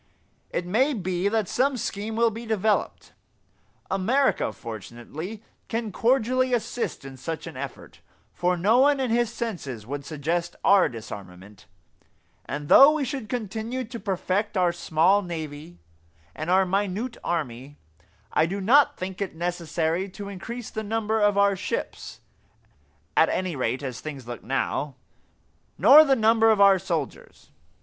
It may be that some scheme will be developed. America, fortunately, can cordially assist in such an effort, for no one in his senses would suggest our disarmament; and though we should continue to perfect our small navy and our minute army, I do not think it necessary to increase the number of our ships at any rate as things look now nor the number of our soldiers.